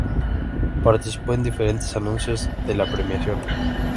Participó en diferentes anuncios de la premiación.